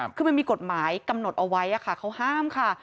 คือมันมีกฎหมายกำหนดเอาไว้เขาห้ามค่ะ